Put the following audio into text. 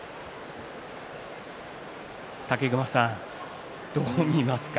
武隈さん、どう見ますか。